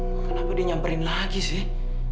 wah kenapa dia nyamperin lagi sih